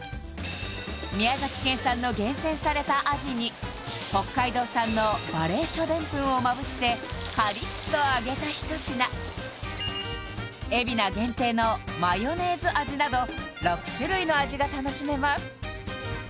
宮崎県産の厳選されたアジに北海道産の馬鈴薯でんぷんをまぶしてカリッと揚げた一品海老名限定のマヨネーズ味など６種類の味が楽しめます